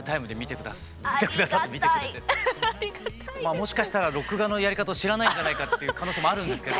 もしかしたら録画のやり方を知らないんじゃないかっていう可能性もあるんですけど。